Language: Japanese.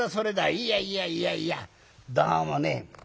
いやいやいやいやどうもね